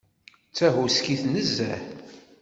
D tahuskit nezzeh.